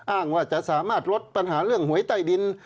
อ้างว่าจะสามารถลดปัญหาเรื่องหวยใต้ดิน